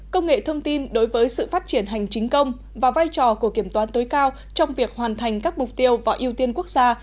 công nghệ thông tin đối với sự phát triển hành chính công và vai trò của kiểm toán tối cao trong việc hoàn thành các mục tiêu và ưu tiên quốc gia